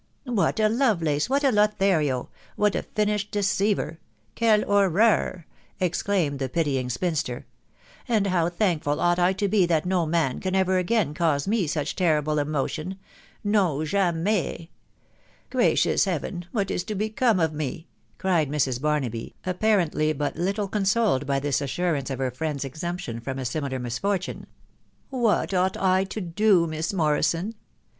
" What a Lovelace !..• .what a Lothario !.... what a finished deceiver !.... Kel oreur /...." exclaimed the pity ing spinster ...." And how thankful ought I to be that no man can ever again cause me such terrible emotion .... Nong jammy /"" Gracious Heaven ! what is to become of me ?" cried Mrs. Barnaby, apparently but little consoled by this assurance of her friend's exemption from a similar misfortune ;" what ought I to do, Miss Morrison